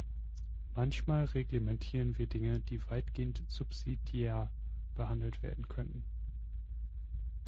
Manchmal reglementieren wir Dinge, die weitgehend subsidiar behandelt werden könnten.